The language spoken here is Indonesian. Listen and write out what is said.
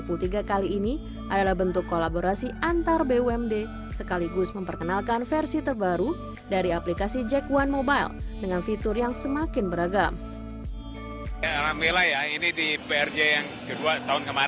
adalah bentuk kolaborasi antar bumd sekaligus memperkenalkan versi terbaru dari aplikasi jack one mobile dengan fitur yang semakin beragam